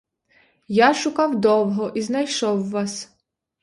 Я шукав довго і знайшов вас!